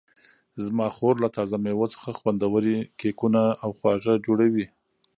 زما خور له تازه مېوو څخه خوندورې کیکونه او خواږه جوړوي.